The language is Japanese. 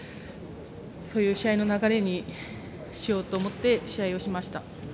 そういう試合の流れにしようと思って試合をしました。